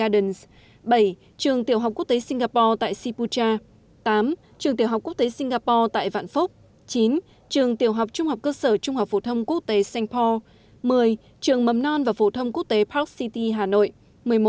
một mươi trường mầm non và phổ thông quốc tế park city hà nội